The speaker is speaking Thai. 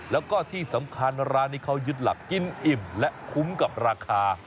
แล้วก็ที่สำคัญร้านนี้เขายึดหลักกินอิ่มและคุ้มกับราคา